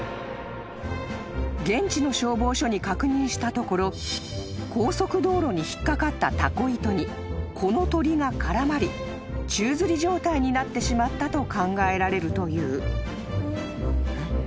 ［現地の消防署に確認したところ高速道路に引っ掛かったたこ糸にこの鳥が絡まり宙づり状態になってしまったと考えられるという］